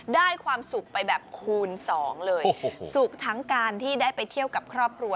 ได้ความสุขไปแบบคูณสองเลยสุขทั้งการที่ได้ไปเที่ยวกับครอบครัว